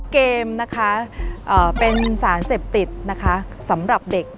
เกมนะคะเป็นสารเสพติดนะคะสำหรับเด็ก